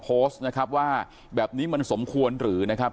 โพสต์นะครับว่าแบบนี้มันสมควรหรือนะครับ